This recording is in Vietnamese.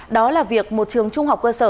đó là việc một trường trung học cơ sở